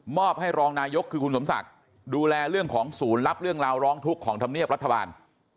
อบให้รองนายกคือคุณสมศักดิ์ดูแลเรื่องของศูนย์รับเรื่องราวร้องทุกข์ของธรรมเนียบรัฐบาล